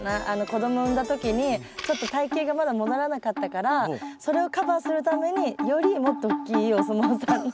子供産んだ時にちょっと体形がまだ戻らなかったからそれをカバーするためによりもっとおっきいお相撲さんの。